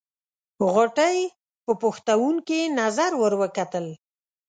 غوټۍ په پوښتونکې نظر ور وکتل.